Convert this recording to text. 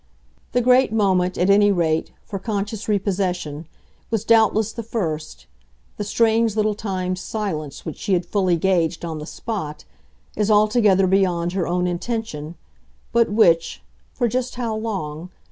The great moment, at any rate, for conscious repossession, was doubtless the first: the strange little timed silence which she had fully gauged, on the spot, as altogether beyond her own intention, but which for just how long?